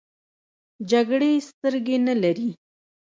جګړې سترګې نه لري .